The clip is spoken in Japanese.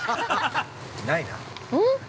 ◆ないな。